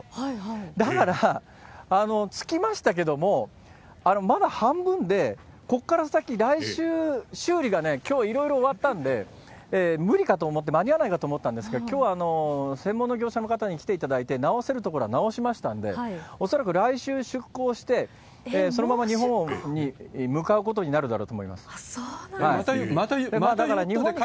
だから、着きましたけども、まだ半分で、ここから先、来週、修理がね、きょう、いろいろ終わったんで、無理かと思って、間に合わないかと思ったんですが、きょうは専門の業者の方に来ていただいて、直せるところは直しましたんで、恐らく来週出港して、そのまま日本に向かうことになるだろうと思います。